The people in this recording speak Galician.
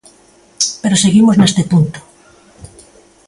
Pero seguimos neste punto.